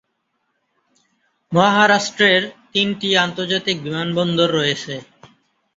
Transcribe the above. মহারাষ্ট্রের তিনটি আন্তর্জাতিক বিমান বন্দর রয়েছে।